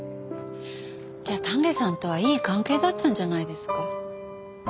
じゃあ丹下さんとはいい関係だったんじゃないですか。